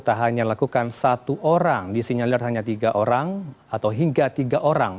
tak hanya lakukan satu orang disinyalir hanya tiga orang atau hingga tiga orang